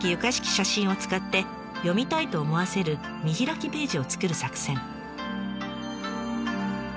写真を使って読みたいと思わせる見開きページを作る作戦。